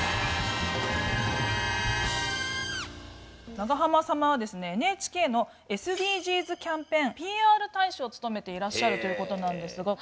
長濱様はですねＮＨＫのＳＤＧｓキャンペーンＰＲ大使を務めていらっしゃるということなんですが。